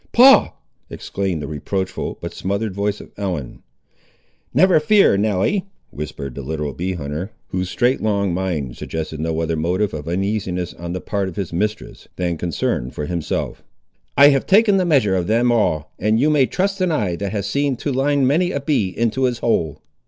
"Paul!" exclaimed the reproachful, but smothered voice of Ellen. "Never fear, Nelly," whispered the literal bee hunter, whose straight going mind suggested no other motive of uneasiness, on the part of his mistress, than concern for himself; "I have taken the measure of them all, and you may trust an eye that has seen to line many a bee into his hole!"